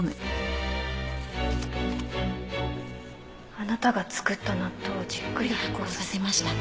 「あなたが作った納豆をじっくり発酵させました」